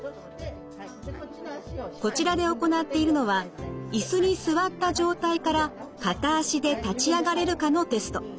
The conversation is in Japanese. こちらで行っているのは椅子に座った状態から片足で立ち上がれるかのテスト。